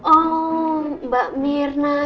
oh mbak mirna